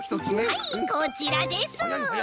はいこちらです。